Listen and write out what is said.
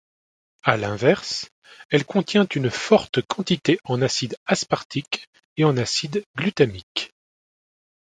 À l’inverse, elle contient une forte quantité en acide aspartique et en acide glutamique.